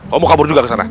kamu mau kabur juga ke sana